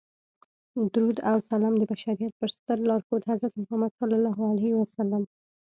درود او سلام د بشریت په ستر لارښود حضرت محمد صلی الله علیه وسلم.